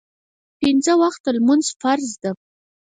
پنځه وخته لمونځ فرض ده